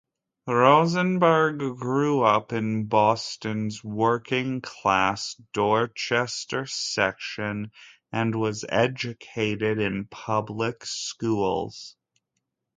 Rosenberg grew up in Boston's working-class Dorchester section and was educated in public schools.